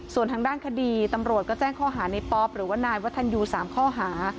ส่วนทางด้านคดีตำรวจก็แจ้งข้อหาในป๊อปหรือว่านายวัฒนยู๓ข้อหา